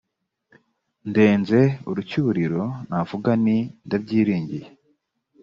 ndenze urucyuriro navuga nti ndabyiringiye